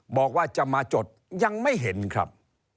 บอกว่าจะมาจดยังไม่เห็นครับ